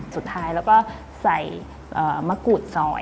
สุดท้ายเราก็ใส่มะก็ุดซอย